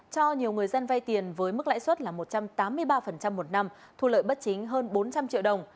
cho nhiều người dân vay tiền với mức lãi suất là một trăm tám mươi ba một năm thu lợi bất chính hơn bốn trăm linh triệu đồng